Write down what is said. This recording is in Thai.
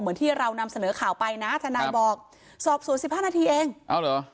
เหมือนที่เรานำเสนอข่าวไปนะทนายบอกสอบสวนสิบห้านาทีเองเอาเหรอ